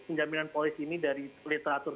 penjaminan polis ini dari literatur